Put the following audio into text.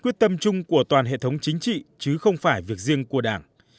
quyết tâm chung của toàn hệ thống chính trị chứ không phải việc riêng của đảng